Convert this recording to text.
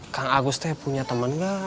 kang agustek punya temen gak